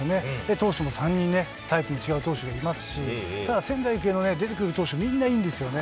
投手も３人ね、タイプの違う選手がいますし、仙台育英の出てくる投手、みんないいんですよね。